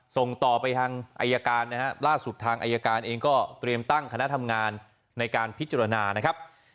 ส่งต่อไปทางไอร์การล่าสุดทางไอร์การเองก็ตรวมตั้งคณะทำงานในการพิจารณา